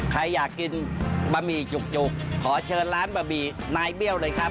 ใครอยากกินบะหมี่จุกขอเชิญร้านบะหมี่นายเบี้ยวเลยครับ